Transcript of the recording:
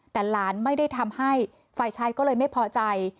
แต่หลานไม่ได้ทำให้ฝ่ายชายก็เลยไม่พอใจ